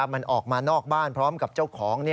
มันออกมานอกบ้านพร้อมกับเจ้าของ